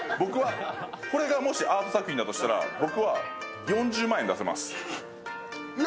これがアーと作品だとしたら僕は４０万円出せます。